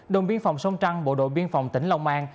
đồng biên phòng sông trăng bộ đội biên phòng tỉnh long an